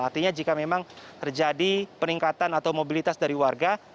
artinya jika memang terjadi peningkatan atau mobilitas dari warga